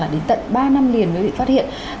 đến tận ba năm liền mới bị phát hiện